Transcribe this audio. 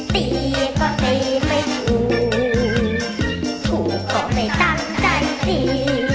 ตีก็ตีไม่ถูกถูกก็ไม่ตั้งใจตี